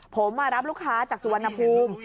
ผมมารับลูกค้าจากสุวรรณภูมิ